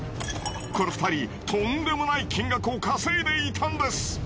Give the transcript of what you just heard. この２人とんでもない金額を稼いでいたんです。